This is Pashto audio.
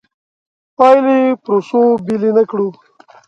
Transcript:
پایلې پروسو بېلې نه کړو.